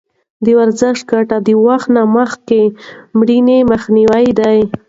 د ورزش ګټه د وخت نه مخکې مړینې مخنیوی دی.